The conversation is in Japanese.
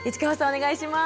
お願いします。